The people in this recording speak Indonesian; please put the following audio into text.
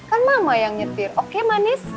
kan mama yang nyetir oke manis